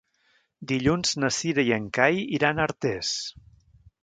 Dilluns na Cira i en Cai iran a Artés.